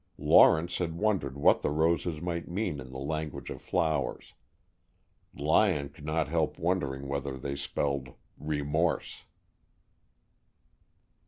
Lawrence had wondered what the roses might mean in the language of flowers. Lyon could not help wondering whether they spelled "Remorse."